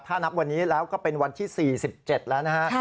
ถ้านับวันนี้แล้วก็เป็นวันที่๔๗แล้วนะฮะ